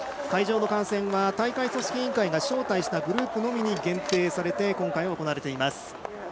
会場の観戦は大会組織委員会が招待したグループのみに限定されて今回は行われています。